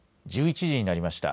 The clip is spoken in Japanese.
１１時になりました。